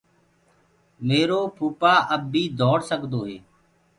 ميرو ڀوپآ اب بي دوڙ سگدو هي۔